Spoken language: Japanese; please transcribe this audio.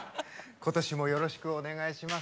今年もよろしくお願いします。